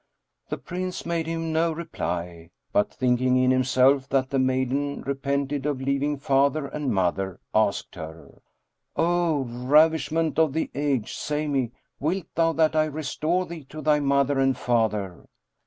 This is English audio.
The Prince made him no reply; but, thinking in himself that the maiden repented of leaving father and mother, asked her, "O ravishment of the age, say me, wilt thou that I restore thee to thy mother and father?"